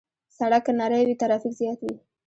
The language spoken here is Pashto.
سړک که نری وي، ترافیک زیات وي.